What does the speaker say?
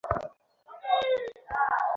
বন্দরটি একটি মাত্র জেটি নিয়ে গঠিত।